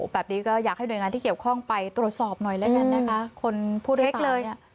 แบบนี้ก็อยากให้หน่วยงานที่เกี่ยวข้องไปตรวจสอบหน่วยแล้วกันนะนะคะ